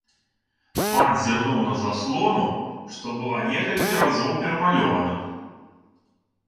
Пан зірнуў на заслону, што была некалькі разоў перамалёвана.